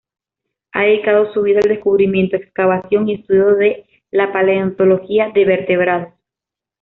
Ha dedicado su vida al descubrimiento, excavación y estudio de la Paleontología de vertebrados.